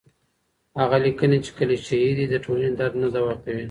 هغه ليکنې چي کليشه يي دي، د ټولني درد نه دوا کوي.